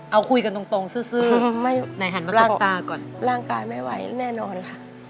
เอาคุยกันตรงซื่อไหนหันมาตั้งตาก่อนร่างกายไม่ไหวแน่นอนค่ะ